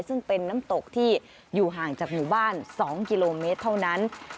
ซึ่งเป็นน้ำตกที่อยู่ห่างจากหมู่บ้าน๒กิโลเมตรเท่านั้น